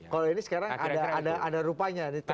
kalau ini sekarang ada rupanya